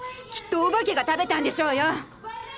きっとお化けが食べたんでしょうよ！